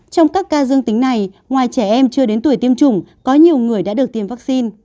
trong các ca dương tính này ngoài trẻ em chưa đến tuổi tiêm chủng có nhiều người đã được tiêm vaccine